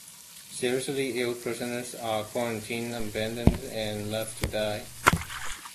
Seriously ill prisoners are quarantined, abandoned, and left to die.